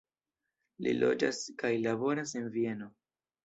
Li loĝas kaj laboras en Vieno.